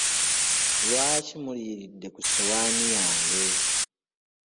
Lwaki muliiridde ku ssowaani yange?